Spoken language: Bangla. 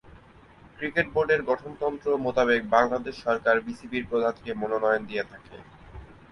ক্রিকেট বোর্ডের গঠনতন্ত্র মোতাবেক বাংলাদেশ সরকার বিসিবি’র প্রধানকে মনোনয়ন দিয়ে থাকে।